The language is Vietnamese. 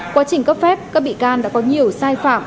quá trình cấp phép các bị can đã có nhiều sai phạm